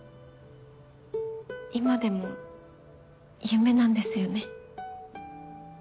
今でも夢なんですよね？